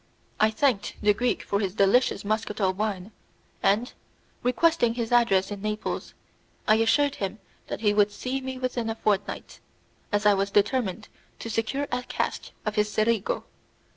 I thanked the Greek for his delicious muscatel wine, and, requesting his address in Naples, I assured him that he would see me within a fortnight, as I was determined to secure a cask of his Cerigo.